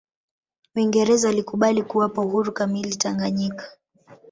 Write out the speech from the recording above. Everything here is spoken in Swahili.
uingereza walikubali kuwapa uhuru kamili tanganyika